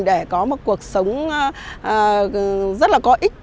để có một cuộc sống rất là có ích